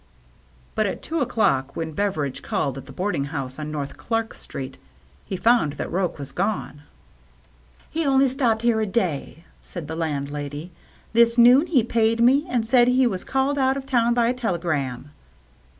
But at two o'clock, when Beveridge called at the boarding house on North Clark Street he 154 TIIE MERRT ANNE found that Roche was gone. " He only stopped here a day," said the landlady. " This noon he paid me and said he was called out of town by a telegram."